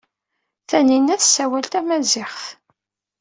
Taninna tessawal tamaziɣt.